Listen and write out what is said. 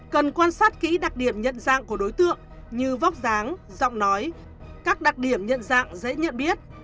cần quan sát kỹ đặc điểm nhận dạng của đối tượng như vóc dáng giọng nói các đặc điểm nhận dạng dễ nhận biết